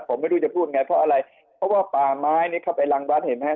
ว่าผมไม่รู้จะพูดเนี่ยเพราะอะไรเพราะว่าป่าม้ายแรงบ้านเห็นไหมอะ